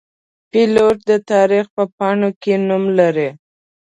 پیلوټ د تاریخ په پاڼو کې نوم لري.